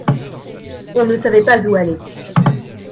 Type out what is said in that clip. On ne savait pas ou aller.